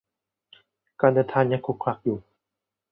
การเดินทางยังขลุกขลักอยู่